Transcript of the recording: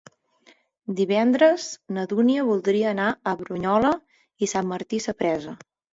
Divendres na Dúnia voldria anar a Brunyola i Sant Martí Sapresa.